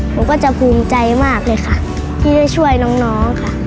หนูก็จะภูมิใจมากเลยค่ะที่ได้ช่วยน้องค่ะ